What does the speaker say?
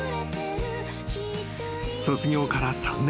［卒業から３年。